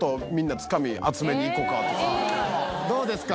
どうですか？